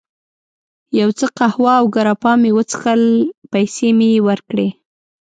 یو څه قهوه او ګراپا مې وڅښل، پیسې مې یې ورکړې.